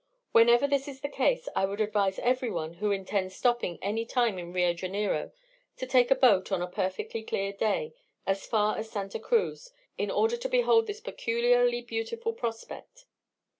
Whenever this is the case, I would advise every one, who intends stopping any time in Rio Janeiro, to take a boat, on a perfectly clear day, as far as Santa Cruz, in order to behold this peculiarly beautiful prospect.